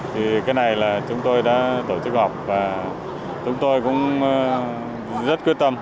thì cái này là chúng tôi đã tổ chức họp và chúng tôi cũng rất quyết tâm